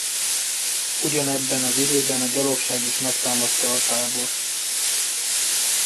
Ugyanebben az időben a gyalogság is megtámadta a tábort.